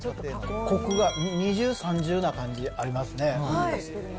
こくが二重三重な感じでありますね。